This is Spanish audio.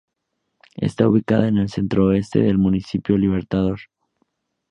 Está ubicada en el centro-oeste del Municipio Libertador.